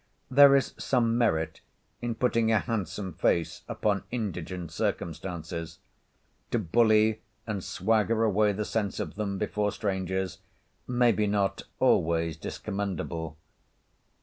There is some merit in putting a handsome face upon indigent circumstances. To bully and swagger away the sense of them, before strangers, may be not always discommendable.